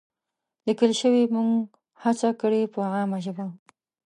لیکل شوې، موږ هڅه کړې په عامه ژبه